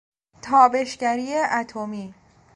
تابشگری اتمی